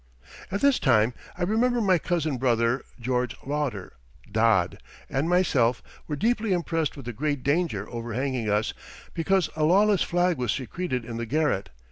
At this time I remember my cousin brother, George Lauder ("Dod"), and myself were deeply impressed with the great danger overhanging us because a lawless flag was secreted in the garret.